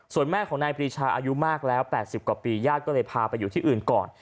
ส่วนแม่ของนายปรีชาอายุมากแล้ว๘๐กว่าปีญาติก็เลยพาไปอยู่ที่อื่นก่อน